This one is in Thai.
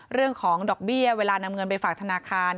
เรื่องของดอกเบี้ยเวลานำเงินไปฝากธนาคาร